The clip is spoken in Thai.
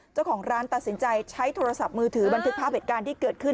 เจ้าของร้านตัดสินใจใช้โทรศัพท์มือถือบันทึกภาพเหตุการณ์ที่เกิดขึ้น